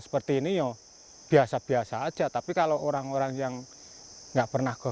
seperti ini ya biasa biasa aja tapi kalau orang orang yang nggak pernah ke